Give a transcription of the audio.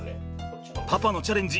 パパのチャレンジ